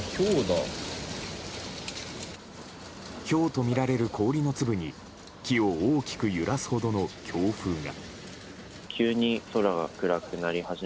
ひょうとみられる氷の粒に木を大きく揺らすほどの強風が。